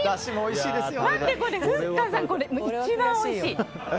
待ってこれ、ふっかさん一番おいしい！